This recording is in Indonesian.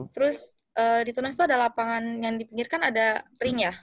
terus di tunas tuh ada lapangan yang di pinggir kan ada ring ya